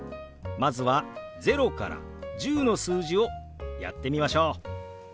まずは０から１０の数字をやってみましょう。